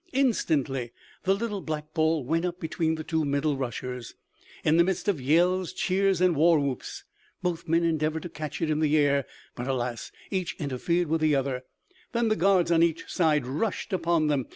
Instantly the little black ball went up between the two middle rushers, in the midst of yells, cheers and war whoops. Both men endeavored to catch it in the air; but alas! each interfered with the other; then the guards on each side rushed upon them.